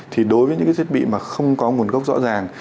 thì đối với những cái thiết bị mà không có nguồn gốc rõ ràng